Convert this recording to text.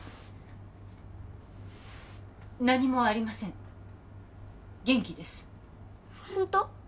何もありません元気ですホント？